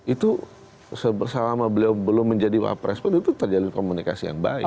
itu selama beliau belum menjadi wapres pun itu terjalin komunikasi yang baik